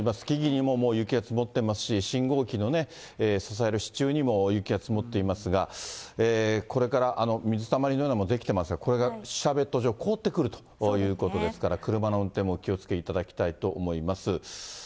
木々にももう雪が積もっていますし、信号機の支える支柱にも、雪が積もっていますが、これから水たまりのようなものも出来てますが、これがシャーベット状、凍ってくるということですから、車の運転もお気をつけいただきたいと思います。